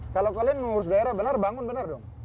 kalau kalian mengurus daerah benar bangun benar dong